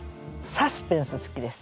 サスペンス好きです。